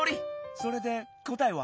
それでこたえは？